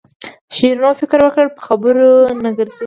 شیرینو فکر وکړ په خبرو نه ګرځي.